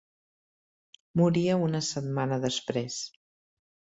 Moria una setmana després.